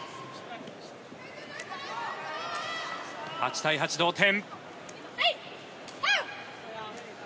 ８対８、同点。